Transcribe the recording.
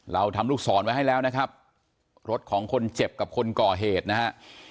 เราทำลูกศรไว้ให้แล้วนะครับรถของคนเจ็บกับคนก่อเหตุนะฮะ